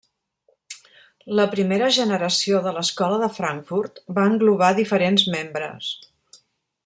La primera generació de l'Escola de Frankfurt va englobar diferents membres.